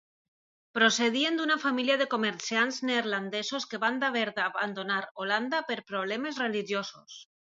Procedien d'una família de comerciants neerlandesos que van haver d'abandonar Holanda per problemes religiosos.